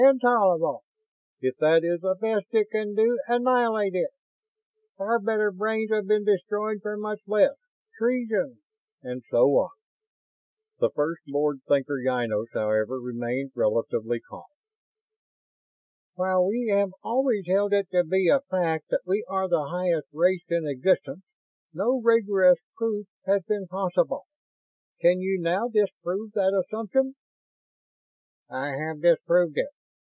"Intolerable!" "If that is the best it can do, annihilate it!" "Far better brains have been destroyed for much less!" "Treason!" And so on. First Lord Thinker Ynos, however, remained relatively calm. "While we have always held it to be a fact that we are the highest race in existence, no rigorous proof has been possible. Can you now disprove that assumption?" "I have disproved it.